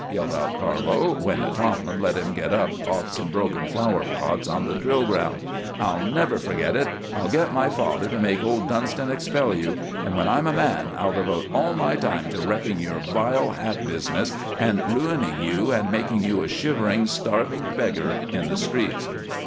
yelled out Carlo, when Tomlin let him get up off some broken flower pots on the drill ground. "I'll never forget it; I'll get my father to make old Dunston expel you; and when I'm a man I'll devote all my time to wrecking your vile hat business and ruining you and making you a shivering, starving beggar in the streets!"